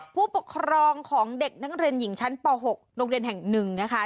ผู้ปกครองของเด็กนักเรียนหญิงชั้นป๖โรงเรียนแห่งหนึ่งนะคะ